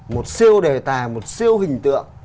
một siêu đề tài một siêu hình tượng